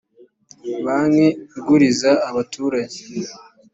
banki iguriza abaturajye